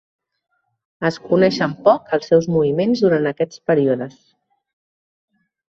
Es coneixen poc els seus moviments durant aquests períodes.